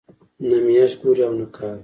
نه میاشت ګوري او نه کال.